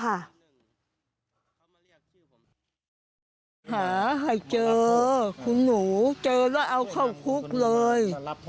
หาให้เจอคุณหนูเจอแล้วเอาเข้าคุกเลย